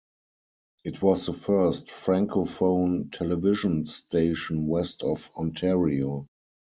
It was the first francophone television station west of Ontario.